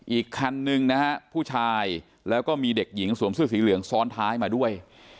อีกคันนึงนะฮะผู้ชายแล้วก็มีเด็กหญิงสวมเสื้อสีเหลืองซ้อนท้ายมาด้วย